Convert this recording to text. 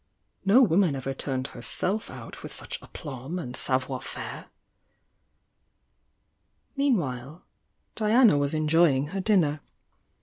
"No woman ever turned Herself out with such aplomb and savoir faire'" Meanwhile Diana was enjoying her dinner.